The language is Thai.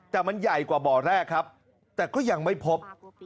แต่มันใหญ่กว่าบ่อแรกครับแต่ก็ยังไม่พบ